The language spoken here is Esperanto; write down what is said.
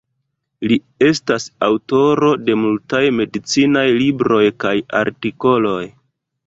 Li estas aŭtoro de multaj medicinaj libroj kaj artikoloj.